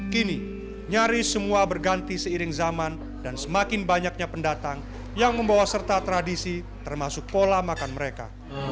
kini nyaris semua berganti seiring zaman dan semakin banyaknya pendatang yang membawa serta tradisi termasuk pola makan mereka